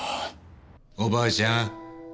おばあちゃん